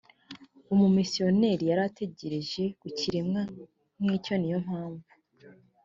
umumisiyoneri yari ategereje ku kiremwa nk icyo ni yo mpamvu